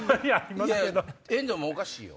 いや遠藤もおかしいよ。